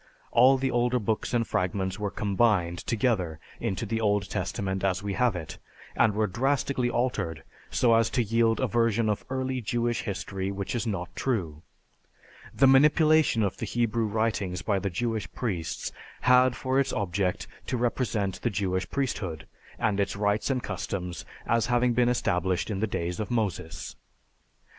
all the older books and fragments were combined together into the Old Testament as we have it, and were drastically altered so as to yield a version of early Jewish history which is not true. The manipulation of the Hebrew writings by the Jewish priests had for its object to represent the Jewish priesthood, and its rights and customs, as having been established in the days of Moses.